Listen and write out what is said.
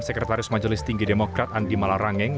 sekretaris majelis tinggi demokrat andi malarangeng